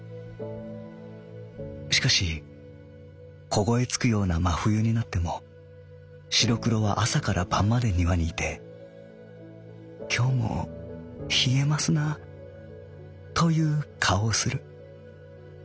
しかし凍えつくような真冬になっても白黒は朝から晩まで庭にいて『きょうも冷えますな』という顔をする。